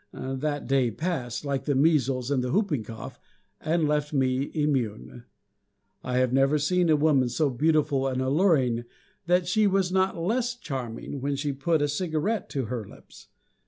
That day passed, like the measles and the whooping cough, and left me immune. I have never seen a woman so beautiful and alluring that she was not less charming when she put a cigarette to her lips.